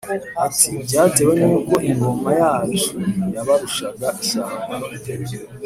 ati:” byatewe n’uko ingoma yacu yabarushaga ishyamba.